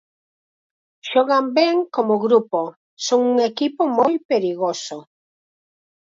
Xogan ben como grupo, son un equipo moi perigoso.